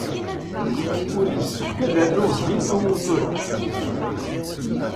Ur yessefk ad rnuɣ zzit i umutur-a.